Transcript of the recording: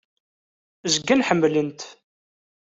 Zgan ḥemmlen-t.